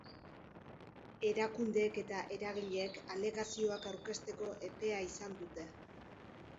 Erakundeek eta eragileek alegazioak aurkezteko epea izan dute.